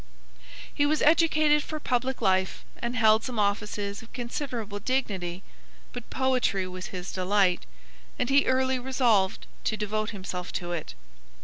He was educated for public life and held some offices of considerable dignity, but poetry was his delight, and he early resolved to devote himself to it.